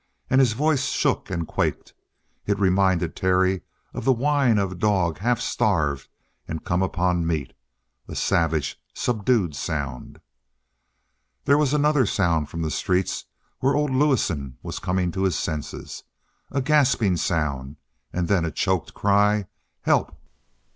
And his voice shook and quaked; it reminded Terry of the whine of a dog half starved and come upon meat a savage, subdued sound. There was another sound from the street where old Lewison was coming to his senses a gasping, sound, and then a choked cry: "Help!"